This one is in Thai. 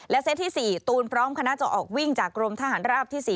เซตที่๔ตูนพร้อมคณะจะออกวิ่งจากกรมทหารราบที่๔